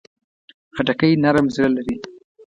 خټکی نرم زړه لري.